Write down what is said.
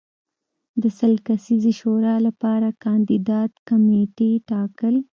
د سل کسیزې شورا لپاره کاندیدان کمېټې ټاکل